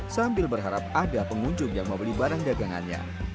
sambil berharap ada pengunjung yang membeli barang dagangannya